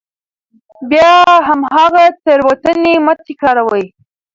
بیا هماغه تېروتنې مه تکراروئ.